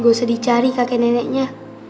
gak usah dicari kakek neneknya